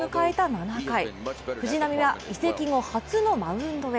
７回、藤浪は移籍後初のマウンドへ。